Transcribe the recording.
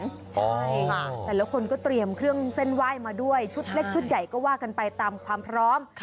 ใช่ค่ะแต่ละคนก็เตรียมเครื่องเส้นไหว้มาด้วยชุดเล็กชุดใหญ่ก็ว่ากันไปตามความพร้อม